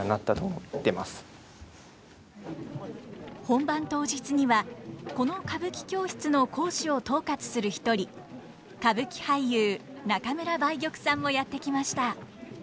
本番当日にはこの歌舞伎教室の講師を統括する一人歌舞伎俳優中村梅玉さんもやって来ました。